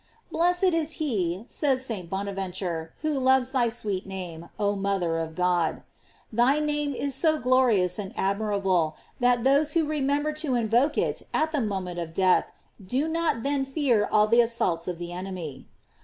* Blessed is he, says St. Bonaventure, wholovea thy sweet name, oh mother of God.f Thy name is so glorious and admirable, that those who remember to invoke it at the moment of death, do not then fear all the assaults of the enemy.